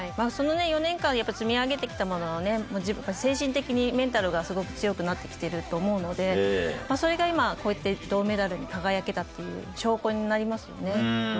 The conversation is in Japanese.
そのね、４年間、やっぱり積み上げてきたものをね、精神的にメンタルがすごく強くなってきてると思うので、それが今、こうやって銅メダルに輝けたっていう証拠になりますよね。